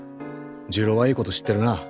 重郎はいいこと知ってるな。